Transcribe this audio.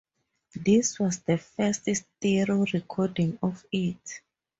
This was the first stereo recording of it.